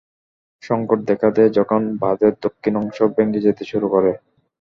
সংকট দেখা দেয় যখন বাঁধের দক্ষিণ অংশ ভেঙে যেতে শুরু করে।